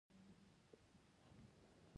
دا کلي د نجونو د پرمختګ لپاره فرصتونه برابروي.